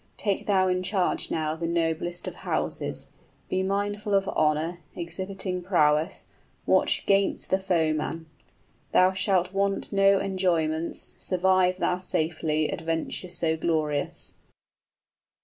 100 Take thou in charge now the noblest of houses; Be mindful of honor, exhibiting prowess, Watch 'gainst the foeman! Thou shalt want no enjoyments, Survive thou safely adventure so glorious!"